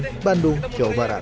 di bandung jawa barat